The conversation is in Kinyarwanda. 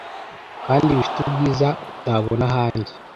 kandi bifite ubwiza utabona ahandi."